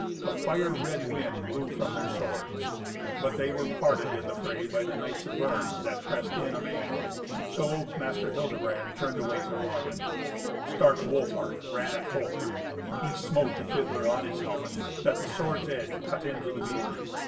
A fire red wind blew from their swords. But they were parted in the fray by the knights of Bern, that pressed in amain. So Master Hildebrand turned away from Hagen. Stark Wolfhart ran at Folker. He smote the fiddler on his helmet, that the sword's edge cut into the beaver.